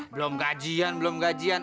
belum gajian belum gajian